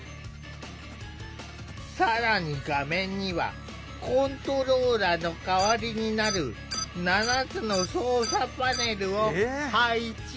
更に画面にはコントローラーの代わりになる７つの操作パネルを配置。